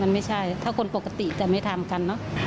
มันไม่ใช่ถ้าคนปกติจะไม่ทำกันเนอะ